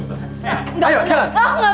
kamu harus mencari penyelesaian